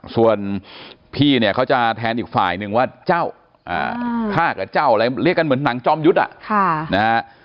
ส่วนพี่เนี่ยเขาจะแทนอีกฝ่ายหนึ่งว่าเจ้าฆ่ากับเจ้าอะไรเรียกกันเหมือนหนังจอมยุทธ์นะฮะ